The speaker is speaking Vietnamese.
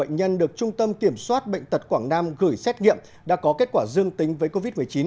bệnh nhân được trung tâm kiểm soát bệnh tật quảng nam gửi xét nghiệm đã có kết quả dương tính với covid một mươi chín